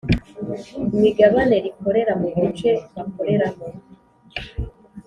Imigabane Rikorera Mu Duce Bakoreramo